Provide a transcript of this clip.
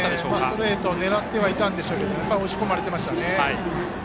ストレートを狙ってはいたんでしょうけど押し込まれていましたね。